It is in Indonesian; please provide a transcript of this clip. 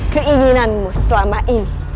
keinginanmu selama ini